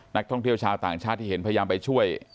นักท่องเที่ยวชาวต่างชาติที่เห็นพยายามไปช่วย